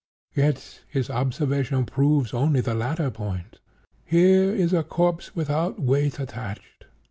Yet his observation proves only the latter point. Here is a corpse without weight attached.